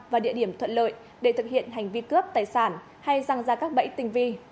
và địa điểm thuận lợi để thực hiện hành vi cướp tài sản hay răng ra các bẫy tinh vi